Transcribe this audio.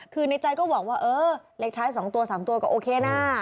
คือในใจก็หวังว่าเออเล็กท้ายสองตัวสามตัวก็โอเคน่า